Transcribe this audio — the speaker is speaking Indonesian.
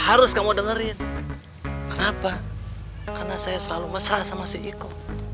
harus kamu dengerin kenapa karena saya selalu mesra sama si iko